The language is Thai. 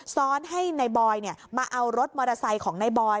ซ้อนให้นายบอยมาเอารถมอเตอร์ไซค์ของนายบอย